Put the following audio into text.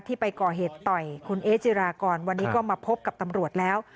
ไปก่อเหตุต่อยคุณเอ๊จิรากรวันนี้ก็มาพบกับตำรวจแล้ว